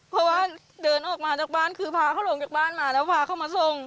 เพราะว่าเดินออกมาจากบ้านคือพาเขาลงจากบ้านมาแล้วพาเขามาส่ง